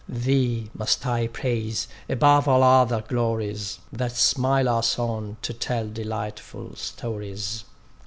Thee must I praise above all other glories That smile us on to tell delightful stories.